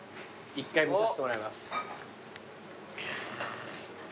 １回見させてもらいます。